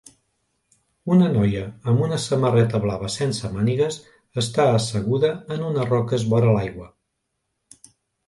Una noia amb una samarreta blava sense mànigues està asseguda en unes roques vora l'aigua